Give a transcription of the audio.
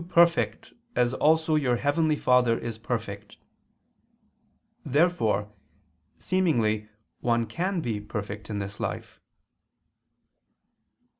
perfect, as also your heavenly Father is perfect." Therefore seemingly one can be perfect in this life.